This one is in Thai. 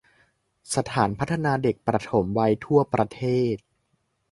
สถานพัฒนาเด็กปฐมวัยทั่วประเทศ